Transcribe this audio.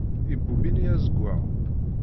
Ibubb ini azeggay.